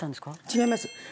違います。